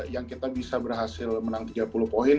yang kita bisa berhasil menang tiga puluh poin